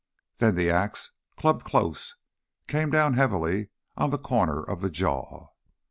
Then the axe, clubbed close, came down heavily on the corner of the jaw.